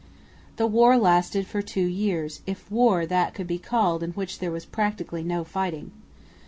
The war lasted for two years, if war that could be called in which there was practically no fighting.